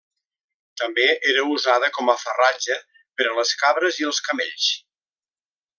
També era usada com a farratge per a les cabres i els camells.